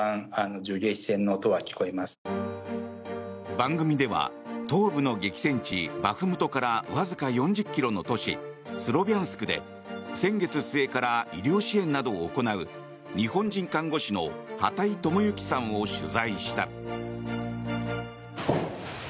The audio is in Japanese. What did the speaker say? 番組では、東部の激戦地バフムトからわずか４０ｋｍの都市スロビャンスクで先月末から医療支援などを行う日本人看護師の畑井智行さんを取材した。